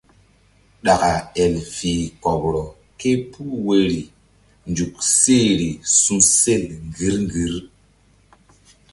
Ɗaka el fih kpoɓrɔ ke puh woyri nzuk sehri su̧sel ŋgir ŋgir.